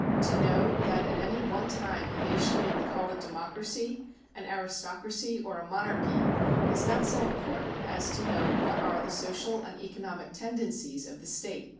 To know that at any one time a nation may be called a democracy, an aristocracy, or a monarchy, is not so important as to know what are the social and economic tendencies of the state.